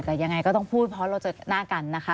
แต่ยังไงก็ต้องพูดเพราะเราเจอหน้ากันนะคะ